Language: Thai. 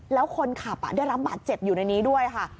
แล้วคนขับได้รับบาดเจ็บอยู่ในนี้ด้วยค่ะ